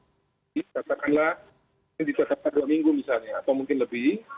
katakanlah ini ditetapkan dua minggu misalnya atau mungkin lebih